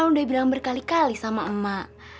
dede kan udah bilang berkali kali sama emak